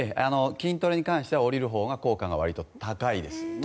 筋トレに関しては下りるほうが効果がわりと高いです。